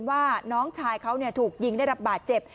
ว่าน้องชายเขาถูกยิงได้รับบาดเจ็บ